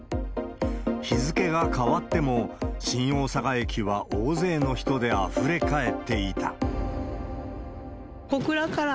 日付が変わっても新大阪駅は大勢の人であふれ返っていた。